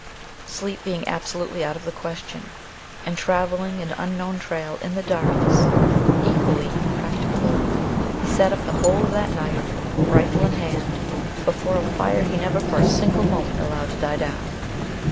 Sleep being absolutely out of the question and traveling an unknown trail in the darkness equally impracticable, he sat up the whole of that night, rifle in hand, before a fire he never for a single moment allowed to die down.